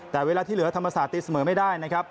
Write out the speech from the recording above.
แต่เวลาที่เหลือธรรมศาสตีเสมอไม่ได้นะครับ